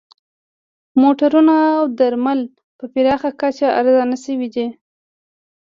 موټرونه او درمل په پراخه کچه ارزانه شوي دي